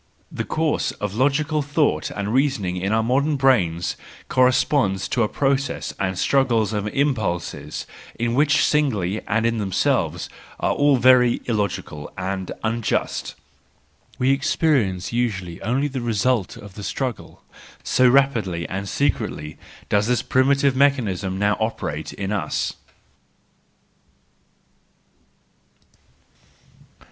—The course of logical thought and reasoning in our modern brain corresponds to a process and struggle of impulses, which singly and in themselves are all very illogical and un¬ just ; we experience usually only the result of the struggle, so rapidly and secretly does this primitive mechanism now operate in us.